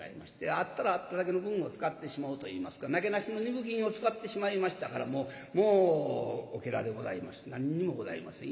あったらあっただけの分を使ってしまうといいますかなけなしの二分金を使ってしまいましたからもうもうおけらでございまして何にもございません。